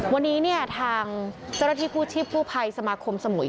วันนี้เนี่ยทางเจราะที่ผู้ชิบผู้ภัยสมาคมสมุย